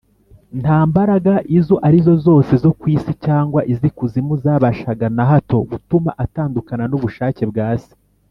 Nta mbaraga izo arizo zose zo ku isi cyangwa iz’ikuzimu zabashaga na gato gutuma atandukana n’ubushake bwa Se.